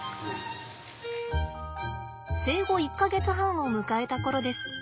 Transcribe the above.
生後１か月半を迎えたころです。